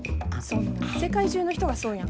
そんなん世界中の人がそうやん。